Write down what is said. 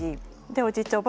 でおじいちゃん